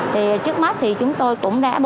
thì trước mắt thì chúng tôi cũng đã bảo